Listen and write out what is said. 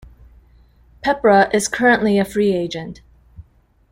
Peprah is currently a free agent.